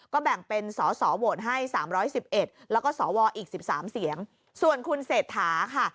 ก็แบ่งเป็นสอสอโหวตให้๓๑๑แล้วก็สวอีก๑๓เสียงส่วนคุณเศรษฐาค่ะ